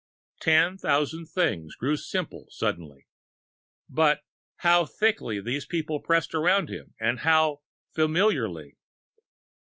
Ten thousand things grew simple suddenly. But, how thickly these people pressed about him, and how familiarly!